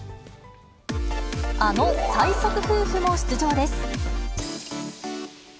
あの最速夫婦も出場です。